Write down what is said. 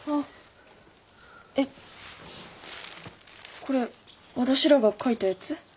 えっこれ私らが書いたやつ？